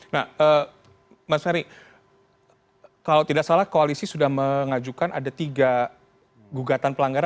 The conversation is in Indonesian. nah mas ferry kalau tidak salah koalisi sudah mengajukan ada tiga gugatan pelanggaran